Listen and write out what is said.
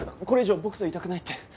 これ以上僕といたくないって。